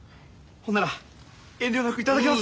ほんなら遠慮なく頂きます。